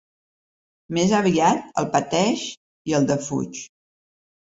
Més aviat el pateix i el defuig.